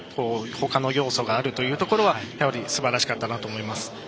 他の要素があるところはすばらしかったなと思います。